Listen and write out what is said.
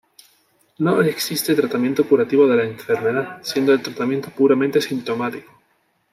No existe tratamiento curativo de la enfermedad, siendo el tratamiento puramente sintomático.